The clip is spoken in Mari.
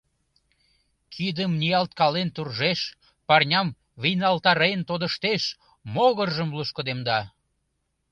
Кидым ниялткален туржеш, парням вийналтарен тодыштеш, могыржым лушкыдемда.